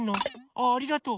ありがとう。